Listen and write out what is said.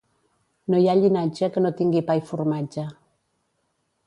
No hi ha llinatge que no tingui pa i formatge.